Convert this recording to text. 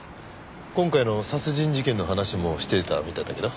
今回の殺人事件の話もしていたみたいだけど？